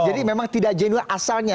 jadi memang tidak genuine asalnya